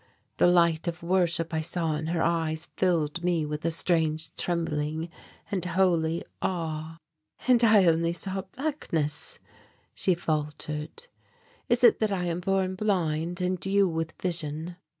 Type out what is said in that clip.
The light of worship I saw in her eyes filled me with a strange trembling and holy awe. "And I saw only blackness," she faltered. "Is it that I am born blind and you with vision?"